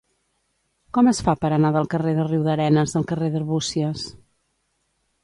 Com es fa per anar del carrer de Riudarenes al carrer d'Arbúcies?